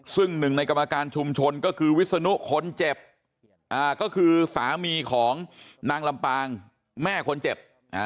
ซึ่งหนึ่งในกรรมการชุมชนก็คือวิศนุคนเจ็บก็คือสามีของนางลำปางแม่คนเจ็บ